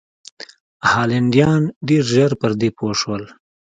هالنډیان ډېر ژر پر دې پوه شول.